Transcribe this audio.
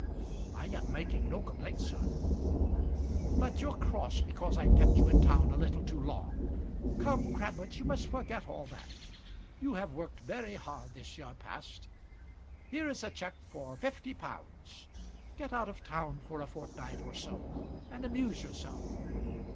"I am making no complaint, sir." "But you're cross because I've kept you in town a little too long. Come, Crabwitz, you must forget all that. You have worked very hard this year past. Here is a cheque for fifty pounds. Get out of town for a fortnight or so, and amuse yourself."